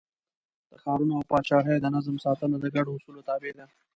د ښارونو او پاچاهیو د نظم ساتنه د ګډو اصولو تابع ده.